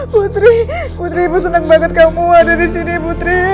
putri putri ibu senang banget kamu ada di sini putri